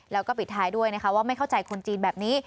แล้วก็ปิดท้ายด้วยนะคะว่าไม่เข้าใจคนจีนแบบนี้